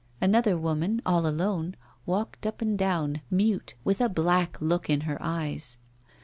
Another woman, all alone, walked up and down, mute, with a black look in her eyes.